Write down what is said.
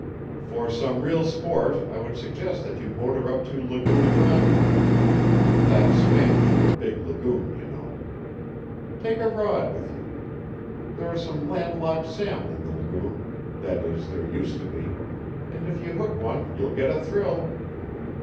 "For some real sport I would suggest that you motor up to Laguna Grande. That's Spanish for Big Lagoon, you know. Take a rod with you. There are some land locked salmon in the lagoon that is, there used to be; and if you hook one you'll get a thrill."